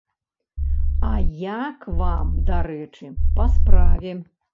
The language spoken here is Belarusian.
А я к вам дарэчы па справе.